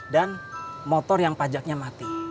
dan motor yang pajaknya mati